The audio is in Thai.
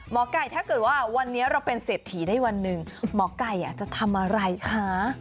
ไก่ถ้าเกิดว่าวันนี้เราเป็นเศรษฐีได้วันหนึ่งหมอไก่จะทำอะไรคะ